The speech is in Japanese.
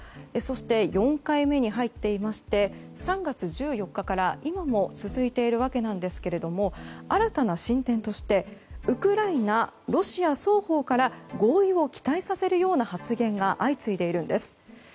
そして、４回目に入っていまして３月１４日から今も続いているわけですが新たな進展としてウクライナ・ロシア双方から合意を期待させるような発言が相次いでいるんです。